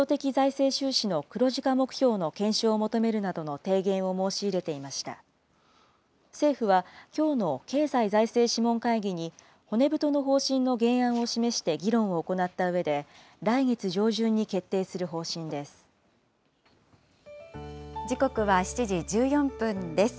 政府はきょうの経済財政諮問会議に骨太の方針の原案を示して議論を行ったうえで、来月上旬に決定する方針です。